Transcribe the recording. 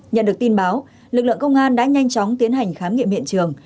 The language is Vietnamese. nhận được tin báo lực lượng công an đã nhanh chóng tiến hành khám nghiệm hiện trường